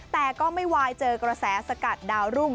แต่ก็ไม่วายเจอกระแสสกัดดาวรุ่ง